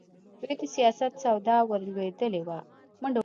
دوی د سیاست سودا ورلوېدلې وه.